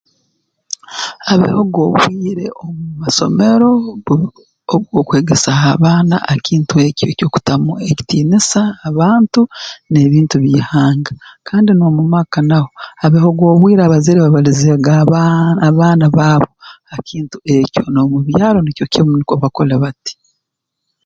Habehoga obwire omu masomero obw'okwegesaho abaana ha kintu eki eky'okutamu ekitiinisa abantu n'ebintu b'ihanga kandi n'omu maka naho habehoga obwire abazaire babalizeege abaa abaana baabo ha kintu ekyo n'omu byaro nikyo kimu nukwo bakule bati